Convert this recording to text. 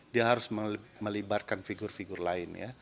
dia harus melibarkan figur figur lain